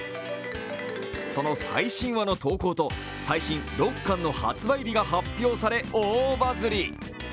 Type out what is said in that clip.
その最新話の投稿と最新６巻の発売日が発表され、大バズり。